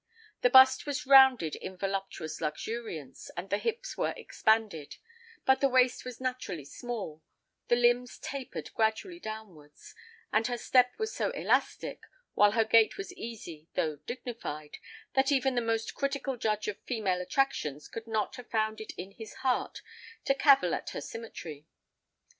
The bust was rounded in voluptuous luxuriance—and the hips were expanded;—but the waist was naturally small—the limbs tapered gradually downwards—and her step was so elastic, while her gait was easy though dignified, that even the most critical judge of female attractions could not have found it in his heart to cavil at her symmetry.